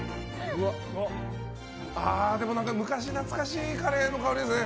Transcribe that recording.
でも、昔懐かしいカレーの香りですね。